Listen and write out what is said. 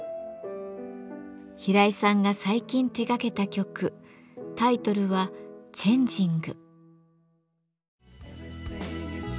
平井さんが最近手がけた曲タイトルは「Ｃｈａｎｇｉｎｇ」。